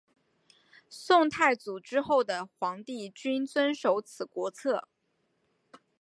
宋太祖之后的皇帝均遵守此国策。